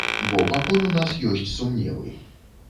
Бо пакуль у нас ёсць сумневы.